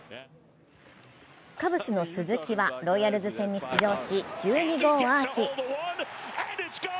カブスの鈴木はロイヤルズ戦に出場し、１２号アーチ。